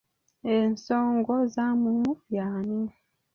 Ensongozamumu y'ani?